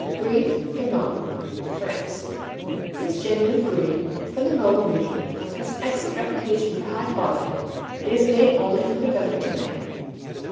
Brie de Meaux France This genuine Brie from the Meaux region has an excellent reputation for high quality. It is made only from November to May.